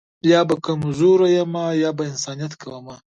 یا به کمزوری یمه یا به انسانیت کومه